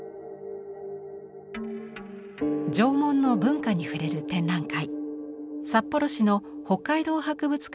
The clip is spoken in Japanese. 縄文の文化に触れる展覧会。